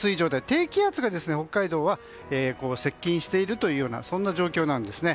低気圧が北海道は接近しているようなそんな状況なんですね。